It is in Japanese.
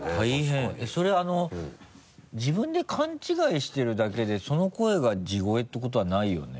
それあの自分で勘違いしてるだけでその声が地声ってことはないよね？